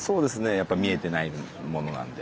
やっぱり見えてないものなんで。